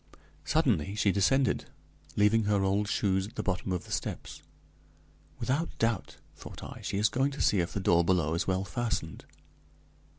Suddenly she descended, leaving her old shoes at the bottom of the steps. "Without doubt," thought I, "she is going to see if the door below is well fastened."